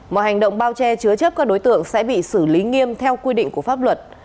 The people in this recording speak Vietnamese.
mọi hành động bao che chứa chấp các đối tượng sẽ bị xử lý nghiêm theo quy định của pháp luật